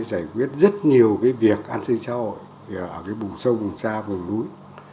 giải quyết rất nhiều cái việc an sinh xã hội ở cái bùng sông bùng xa bùng núi